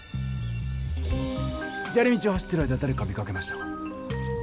じゃり道を走ってる間だれか見かけましたか？